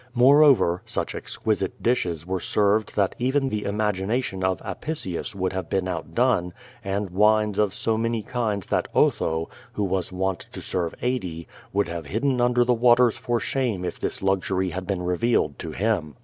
Moreover, such exquisite dishes were served that eveu the imagination of Apicius would have been outdone, an<l wines of so many kinds that Otho, who was wont to serve eighty, would have hidden under the waters for shame if thi.s luxury had been revealed to him.